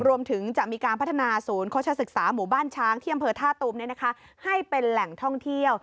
รวมถึงจะมีการพัฒนาศูนย์โฆษศึกษาหมู่บ้านช้างที่อำเภอท่าตูมให้เป็นแหล่งท่องเที่ยว